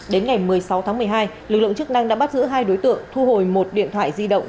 đến ngày một mươi sáu tháng một mươi hai lực lượng chức năng đã bắt giữ hai đối tượng thu hồi một điện thoại di động